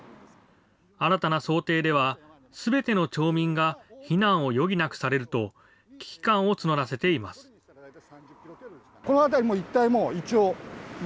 新たな想定では、すべての町民が避難を余儀なくされると、危機感を募らせています。